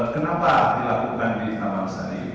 kenapa dilakukan di tamansari